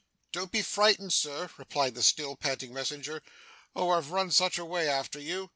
'Don't be frightened, Sir,' replied the still panting messenger. 'Oh I've run such a way after you!